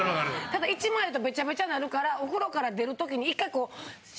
・ただ１枚やとベチャベチャなるからお風呂から出るときに１回こう。